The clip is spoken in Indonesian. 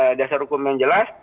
ada dasar hukum yang jelas